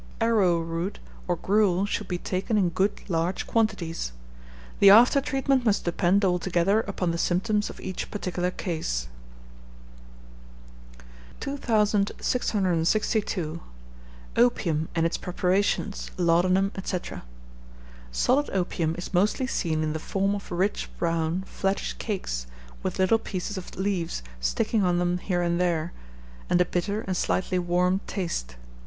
Arrowroot or gruel should be taken in good large quantities. The after treatment must depend altogether upon the symptoms of each particular case. 2662. Opium, and its preparations, Laudanum, &c. Solid opium is mostly seen in the form of rich brown flattish cakes, with little pieces of leaves sticking on them here and there, and a bitter and slightly warm taste.